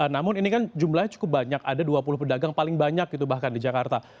namun ini kan jumlahnya cukup banyak ada dua puluh pedagang paling banyak gitu bahkan di jakarta